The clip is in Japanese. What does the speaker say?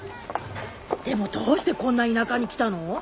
でもどうしてこんな田舎に来たの？